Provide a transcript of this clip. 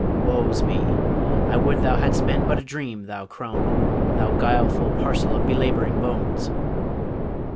Woe's me! I would thou hadst been but a dream, thou crone! thou guileful parcel of belabouring bones!'